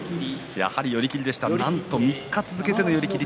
やはり寄り切りでしたなんと３日続けての寄り切り。